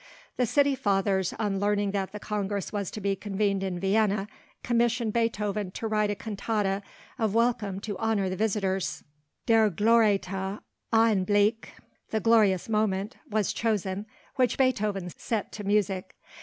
The city fathers, on learning that the Congress was to be convened in Vienna, commissioned Beethoven to write a cantata of welcome to honor the visitors. The poem "Der glorreiche Augenblick" (The Glorious Moment), was chosen, which Beethoven set to music.